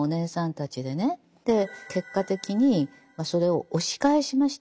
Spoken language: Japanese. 結果的にそれを押し返しました。